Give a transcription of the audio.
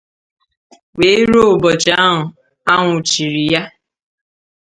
wee ruo ụbọchị ahụ a nwụchiri ya.